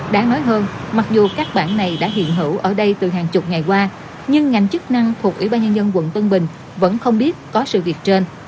đáng nói hơn mặc dù các bản này đã hiện hữu ở đây từ hàng chục ngày qua nhưng ngành chức năng thuộc ủy ban nhân dân quận tân bình vẫn không biết có sự việc trên